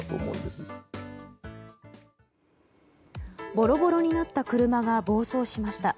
ボロボロになった車が暴走しました。